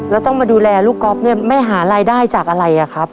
แล้วต้องมาดูแลลูกก๊อฟเนี่ยแม่หารายได้จากอะไรอะครับ